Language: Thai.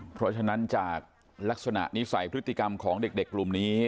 เพราะฉะนั้นจากลักษณะนิสัยพฤติกรรมของเด็กกลุ่มนี้